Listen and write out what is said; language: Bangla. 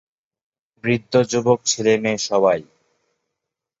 বৃদ্ধ-যুবক, ছেলে-মেয়ে সবাই।